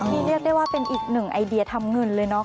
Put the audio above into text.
นี่เรียกได้ว่าเป็นอีกหนึ่งไอเดียทำเงินเลยเนาะ